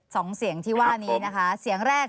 สองเสียงที่ว่านี้นะคะเสียงแรก